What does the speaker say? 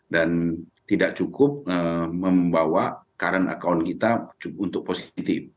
dan tidak cukup membawa current account kita untuk positif